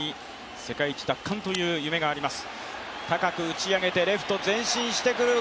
その先に世界一奪還という夢があります。